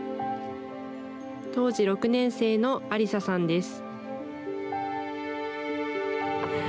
当時６年生の安理沙さんです。